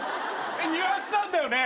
ニュアンスなんだよね？